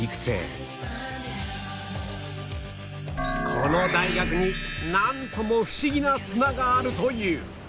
この大学になんともフシギな砂があるという